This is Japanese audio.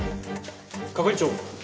係長。